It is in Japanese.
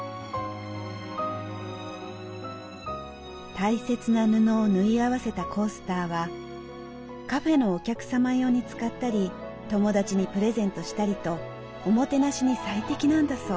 大切な布を縫い合わせたコースターはカフェのお客様用に使ったり友達にプレゼントしたりとおもてなしに最適なんだそう。